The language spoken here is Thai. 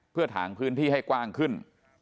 เพื่อถางพื้นที่ให้กว้างขึ้น